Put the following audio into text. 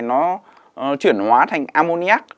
nó chuyển hóa thành ammoniac